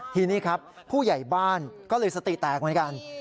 ทีนี้ครับผู้ใหญ่บ้านก็เลยสติแตกเหมือนกัน